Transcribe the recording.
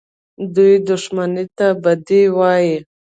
دوى دښمني ته بدي وايي.